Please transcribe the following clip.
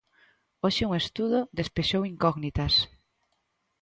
Hoxe un estudo despexou incógnitas.